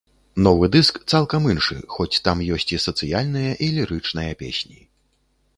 Новы дыск цалкам іншы, хоць там ёсць і сацыяльныя, і лірычныя песні.